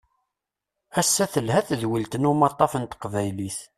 Ass-a telha tedwilt n umaṭṭaf n taqbaylit.